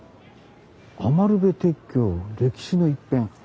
「余部鉄橋」歴史の一片。